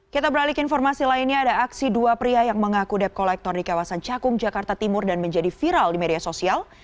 kita beralih ke informasi lainnya ada aksi dua pria yang mengaku dep kolektor di kawasan cakung jakarta timur dan menjadi viral di media sosial